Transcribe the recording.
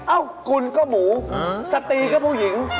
เอ้าคุณก็หมูสตีก็ผู้หญิง